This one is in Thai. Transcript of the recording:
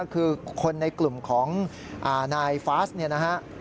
คือคนในกลุ่มของนายฟาสท์